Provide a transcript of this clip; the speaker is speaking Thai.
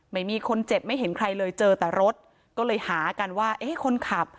ไม่มีคนเจ็บไม่เห็นใครเลยเจอแต่รถก็เลยหากันว่าเอ๊ะคนขับ